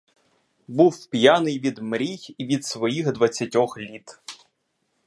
Був п'яний від мрій і від своїх двадцятьох літ.